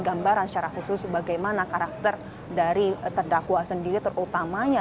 gambaran secara khusus bagaimana karakter dari terdakwa sendiri terutamanya